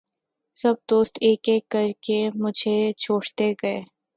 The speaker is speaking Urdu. سب دوست ایک ایک کرکے مُجھے چھوڑتے گئے